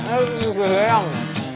eh udah leang